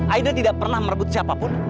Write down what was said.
aida tidak pernah merebut siapapun